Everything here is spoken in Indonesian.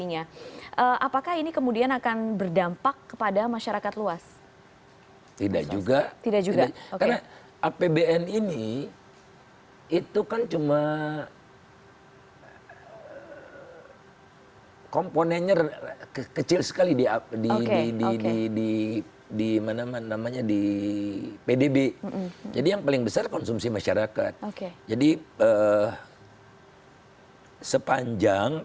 yang dipakai di angkutan